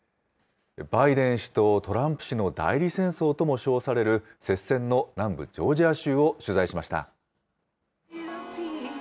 バイデン氏とトランプ氏の代理戦争とも称される、接戦の南部ジョージア州を取材しました。